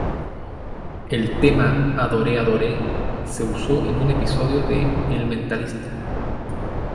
El tema "Adore Adore" se usó en un episodio de "El mentalista".